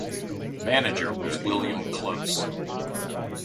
The manager was William Close.